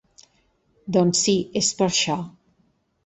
Doncs sí és per això.